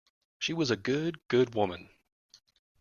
She was a good, good woman!